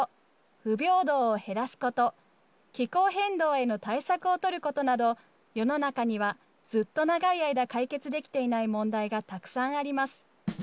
不平等を減らすこと、気候変動への対策を取ることなど、世の中にはずっと長い間、解決できていない問題がたくさんあります。